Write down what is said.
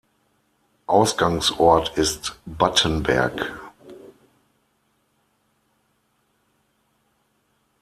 Ausgangsort ist Battenberg.